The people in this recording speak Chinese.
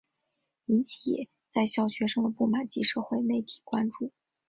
引起在校学生的不满及社会媒体关注。